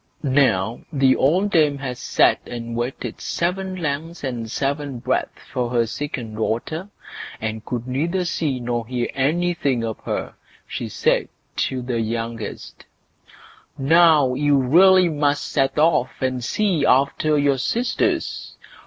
Now, when the old dame had sat and waited seven lengths and seven breadths for her second daughter, and could neither see nor hear anything of her, she said to the youngest: "Now, you really must set off and see after your sisters.